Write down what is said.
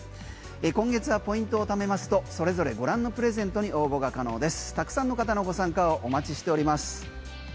今月はポイントを貯めますとそれぞれ御覧のプレゼントに応募が可能です。